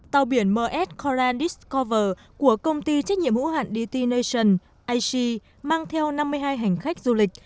tàu biển m s coral discover của công ty trách nhiệm hữu hạn dt nation a c mang theo năm mươi hai hành khách du lịch